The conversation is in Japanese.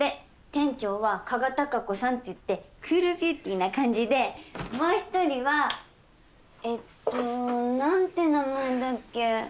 店長は加賀貴子さんっていってクールビューティーな感じでもう一人はえっと何て名前だっけ。